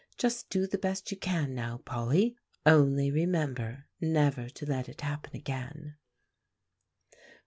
Just do the best you can now, Polly. Only remember never to let it happen again."